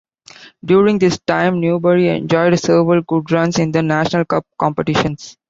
During this time Newbury enjoyed several good runs in the national cup competitions.